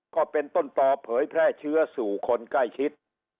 ก็เป็นต้นต่อเผยแพร่เชื้อสู่คนใกล้ชิด